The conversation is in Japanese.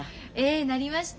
ええなりました。